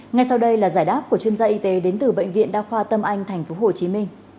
ngay sau đây là giải đáp của chuyên gia y tế đến từ bệnh viện đa khoa tâm anh tp hcm